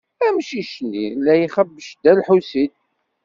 Amcic-nni la ixebbec Dda Lḥusin.